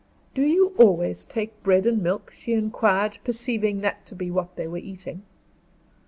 "Do you always take bread and milk?" she inquired, perceiving that to be what they were eating.